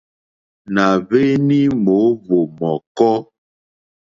Nà hweni mòohvò mɔ̀kɔ.